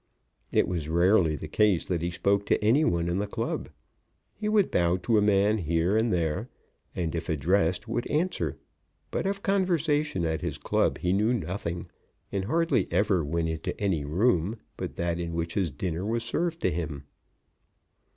It was rarely the case that he spoke to any one in the club. He would bow to a man here and there, and if addressed would answer; but of conversation at his club he knew nothing, and hardly ever went into any room but that in which his dinner was served to him.